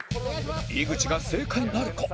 井口が正解なるか？